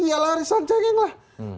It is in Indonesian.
iya lah alasan cengeng lah